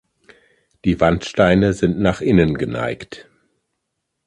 Die Wandsteine sind nach innen geneigt.